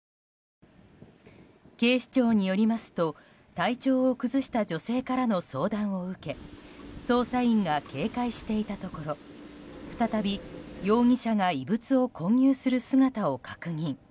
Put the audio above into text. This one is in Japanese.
警視庁によりますと体調を崩した女性からの相談を受け捜査員が警戒していたところ再び容疑者が異物を混入する姿を確認。